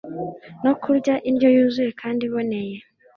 no kurya indyo yuzuye kandi iboneye